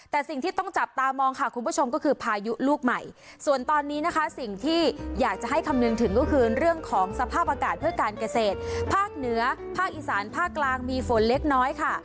แต่สิ่งที่ต้องจับตามองค่ะคุณผู้ชมก็คือพายุลูกใหม่ส่วนตอนนี้นะคะสิ่งที่อยากจะให้คำนึงถึงก็คือเรื่องของสภาพอากาศเพื่อการเกษตรภาคเหนือภาคอีสานภาคกลางมีฝนเล็กน้อยค่ะ